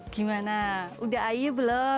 gimana udah ayu belum